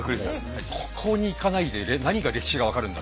ここに行かないで何が歴史が分かるんだ。